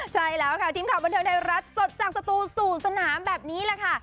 ใช่แล้วค่ะทีมข่าวบันเทิงไทยรัฐสดจากสตูสู่สนามแบบนี้แหละค่ะ